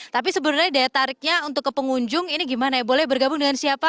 tapi sebenarnya daya tariknya untuk ke pengunjung ini gimana ya boleh bergabung dengan siapa